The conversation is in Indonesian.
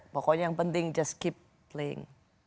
pokoknya yang penting just keep link